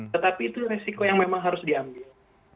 tetapi itu resiko yang memang harus diambil